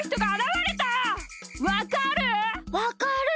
わかる？